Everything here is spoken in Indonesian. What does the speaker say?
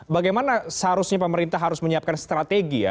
bagaimana seharusnya pemerintah harus menyiapkan strategi ya